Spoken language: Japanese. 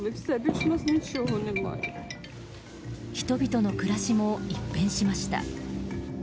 人々の暮らしも一変しました。